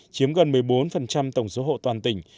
chiếm gần một mươi bốn tổng số hộ toàn tỉnh